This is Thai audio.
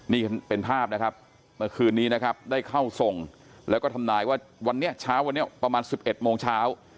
นี่เป็นภาพนะครับเมื่อคืนนี้นะครับได้เข้าทรงแล้วก็ทำนายว่าวันนี้เช้าวันนี้ประมาณ๑๑โมงเช้า